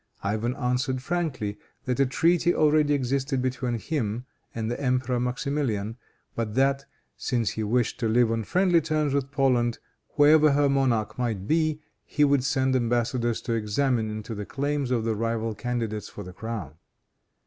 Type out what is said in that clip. Ivan answered frankly that a treaty already existed between him and the Emperor Maximilian, but that, since he wished to live on friendly terms with Poland, whoever her monarch might be, he would send embassadors to examine into the claims of the rival candidates for the crown.